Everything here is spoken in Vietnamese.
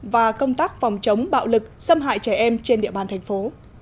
và công tác phòng chống bạo lực xâm hại trẻ em trên địa bàn thành phố